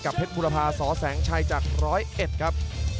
กับเผ็ดพุรภาพสแสงชัยจากร้อยเอ็ดครับ